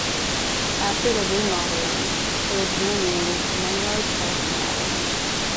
After the remodeling, it was renamed Menlo Park Mall.